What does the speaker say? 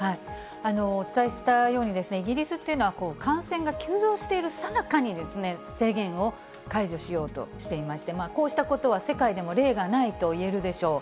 お伝えしたように、イギリスっていうのは、感染が急増しているさなかに、制限を解除しようとしていまして、こうしたことは世界でも例がないといえるでしょう。